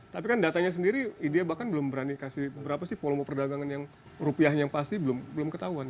tapi kan datanya sendiri idea bahkan belum berani kasih berapa sih volume perdagangan yang rupiahnya yang pasti belum ketahuan